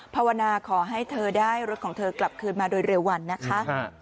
ภาวนาขอให้เธอได้รถของเธอกลับคืนมาโดยเร็ววันนะคะ